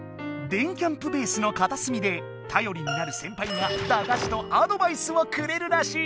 電キャんぷベースのかたすみでたよりになるセンパイがだがしとアドバイスをくれるらしい。